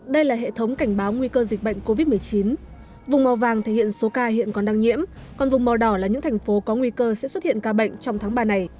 đây là hệ thống cảnh báo nguy cơ dịch bệnh covid một mươi chín vùng màu vàng thể hiện số ca hiện còn đang nhiễm còn vùng màu đỏ là những thành phố có nguy cơ sẽ xuất hiện ca bệnh trong tháng ba này